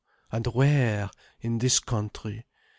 —and where?—in this country?